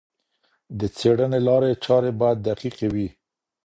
د څېړني لارې چارې باید دقیقې وي.